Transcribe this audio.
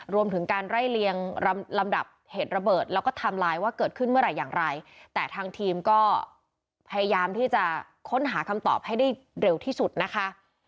รวมถึงการไล่เลียงลำดับเหตุระเบิดแล้วก็ไทม์ไลน์ว่าเกิดขึ้นเมื่อไหร่อย่างไรแต่ทางทีมก็พยายามที่จะค้นหาคำตอบให้ได้เร็วที่สุดนะคะ